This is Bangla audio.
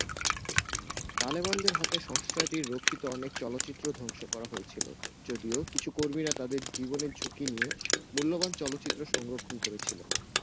তালেবানদের হাতে সংস্থাটির রক্ষিত অনেক চলচ্চিত্র ধ্বংস করা হয়েছিল, যদিও কিছু কর্মীরা তাদের জীবনের ঝুঁকি নিয়ে মূল্যবান চলচ্চিত্র সংরক্ষণ করেছিল।